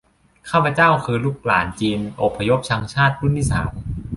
ข้าพเจ้าคือลูกหลานจีนอพยพชังชาติรุ่นที่สาม